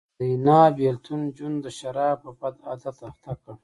د حنا بېلتون جون د شرابو په بد عادت اخته کړ